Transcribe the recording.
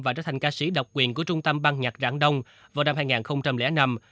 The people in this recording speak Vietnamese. và trở thành ca sĩ độc quyền của trung tâm băng nhạc rãng đông vào năm hai nghìn năm